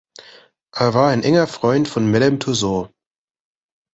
Er war ein enger Freund von Madame Tussaud.